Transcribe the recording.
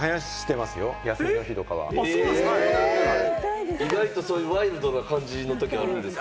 生やしてますよ、休みの日と意外とそういうワイルドな感じの時あるんですね。